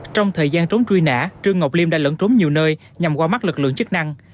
trong thời gian trốn truy nã trương ngọc liêm đã lẫn trốn nhiều nơi nhằm qua mắt lực lượng chức năng